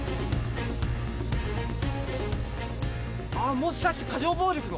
もしかして過剰暴力の！？